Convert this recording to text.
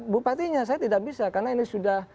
bupatinya saya tidak bisa karena ini sudah